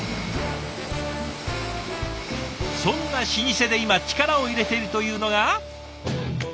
そんな老舗で今力を入れているというのが。